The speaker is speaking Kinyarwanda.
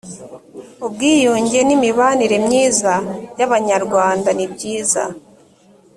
ubwiyunge n ‘imibanire myiza y ‘abanyarwandanibyiza.